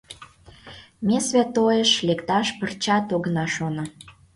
Ме святойыш лекташ пырчат огына шоно.